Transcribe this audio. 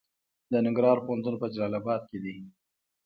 د ننګرهار پوهنتون په جلال اباد کې دی